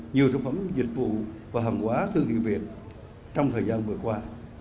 nhiều sản phẩm dịch vụ và hàng quá thương hiệu việt trong thời gian vừa qua